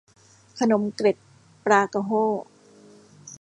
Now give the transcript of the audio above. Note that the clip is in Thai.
ขนมเกล็ดปลากะโห้